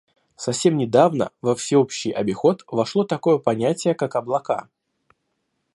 Совсем недавно во всеобщий обиход вошло такое понятие как «облака».